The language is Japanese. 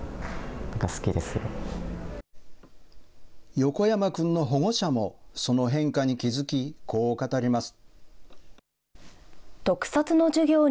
横山君の保護者も、その変化に気付き、こう語ります。